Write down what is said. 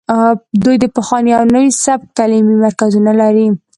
دوی د پخواني او نوي سبک تعلیمي مرکزونه لري